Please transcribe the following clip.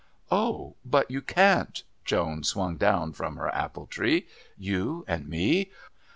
"Oh, but you can't." Joan swung down from her appletree. "You and me?